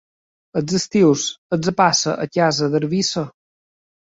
Els estius els passa a casa d'Eivissa.